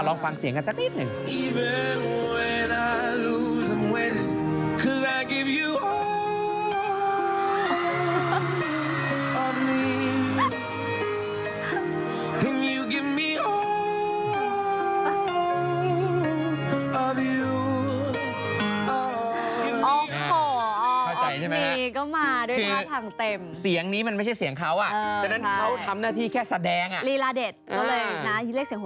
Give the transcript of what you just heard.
ก็มาด้วยหน้าทางเต็มเสียงนี้มันไม่ใช่เสียงเขาอ่ะเพราะฉะนั้นเขาทำหน้าที่แค่แสดงอ่ะรีลาเดชก็เลยนะที่เรียกเสียงหัว